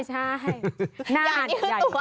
ใช่